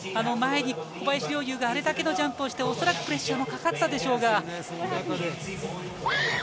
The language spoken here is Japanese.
前に小林陵侑があれだけのジャンプをして恐らくプレッシャーもかかったでしょうが。